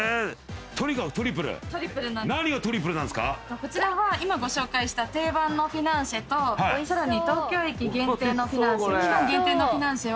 こちらは今ご紹介した定番のフィナンシェとさらに東京駅限定のフィナンシェ期間限定のフィナンシェを。